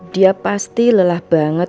dia pasti lelah banget